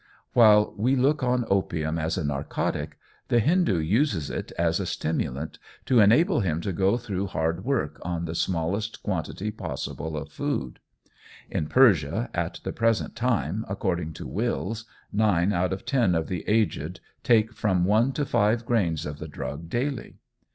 While we look on opium as a narcotic, the Hindoo uses it as a stimulant to enable him to go through hard work on the smallest quantity possible of food. In Persia, at the present time, according to Wills, nine out of ten of the aged, take from one to five grains of the drug daily.